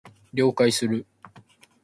了解する